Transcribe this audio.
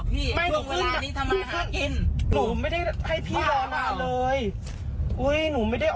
พี่เป็นคนพี่ทำงานบริการนะ